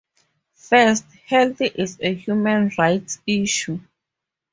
First, health is a human rights issue.